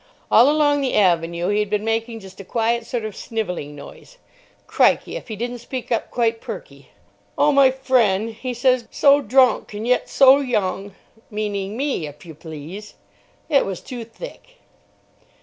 All along the Avenue he'd been making just a quiet sort of snivelling noise. Crikey, if he didn't speak up quite perky. "O, my fren'," he says. "So drunk and yet so young." Meaning me, if you please. It was too thick.